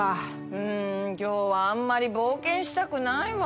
うん今日はあんまり冒険したくないわ。